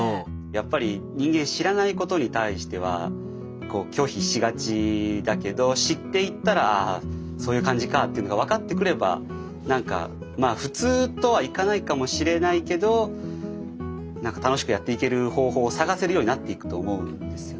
やっぱり人間知らないことに対しては拒否しがちだけど知っていったらそういう感じかっていうのが分かってくれば何かまあ普通とはいかないかもしれないけど何か楽しくやっていける方法を探せるようになっていくと思うんですよね。